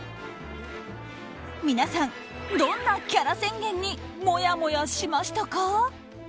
皆さん、どんなキャラ宣言にもやもやしましたか？